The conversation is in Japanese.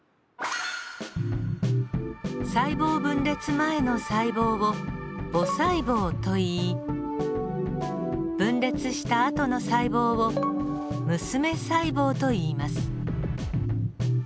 細胞分裂前の細胞を母細胞といい分裂したあとの細胞を娘細胞といいます。